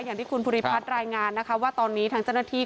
อย่างที่คุณภูริพัดด้วยรายงานว่าตอนนี้ทั้งเจ้าหน้าที่